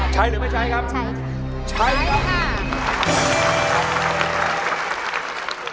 ใช้หรือไม่ใช้ครับใช้ค่ะใช้ค่ะใช้ค่ะใช้ค่ะ